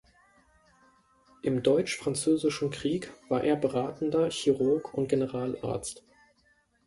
Im Deutsch-Französischen Krieg war er Beratender Chirurg und Generalarzt.